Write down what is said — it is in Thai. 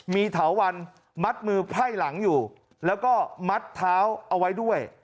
มีเถาวันมัดมือไพ่หลังอยู่แล้วก็มัดเท้าเอาไว้ด้วย